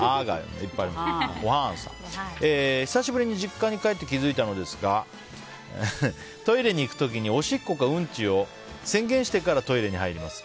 久しぶりに実家に帰って気づいたのですがトイレに行く時におしっこかウンチを宣言してからトイレに入ります。